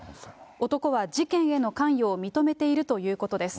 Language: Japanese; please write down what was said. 男は事件への関与を認めているということです。